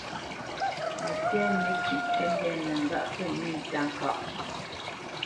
Mətɛ̂nə kîʼ tə mbɛ̂nə́ ŋgâʼ pə́ nʉ̂ táka.